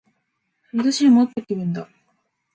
振り出しに戻った気分だ